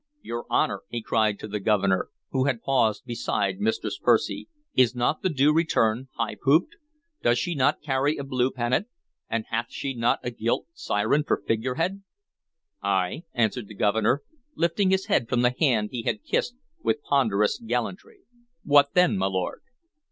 "Your Honor," he cried to the Governor, who had paused beside Mistress Percy, "is not the Due Return high pooped? Doth she not carry a blue pennant, and hath she not a gilt siren for figurehead?" "Ay," answered the Governor, lifting his head from the hand he had kissed with ponderous gallantry. "What then, my lord?"